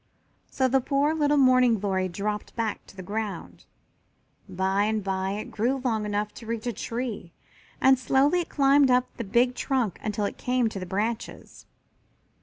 So the poor little Morning glory dropped back to the ground. By and by it grew long enough to reach a tree and slowly it climbed up the big trunk until it came to the branches.